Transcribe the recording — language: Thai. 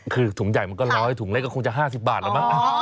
คือถุงใหญ่มันก็ร้อยถุงเล็กก็คงจะห้าสิบบาทหรือเปล่า